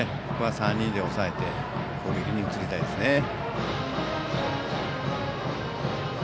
ここは３人で抑えて攻撃に移りたいですね。